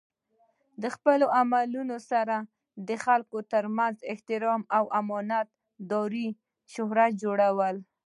د خپلو عملونو سره د خلکو ترمنځ د احترام او امانت دارۍ شهرت جوړول.